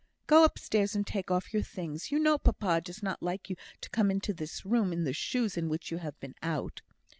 "Go upstairs and take off your things. You know papa does not like you to come into this room in the shoes in which you have been out."